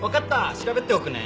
調べておくね。